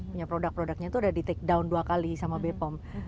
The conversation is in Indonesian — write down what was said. punya produk produknya itu udah di take down dua kali sama bepom